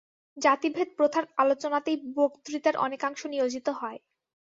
জাতিভেদ-প্রথার আলোচনাতেই বক্তৃতার অনেকাংশ নিয়োজিত হয়।